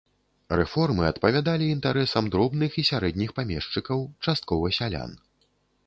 Рэформы адпавядалі інтарэсам дробных і сярэдніх памешчыкаў, часткова сялян.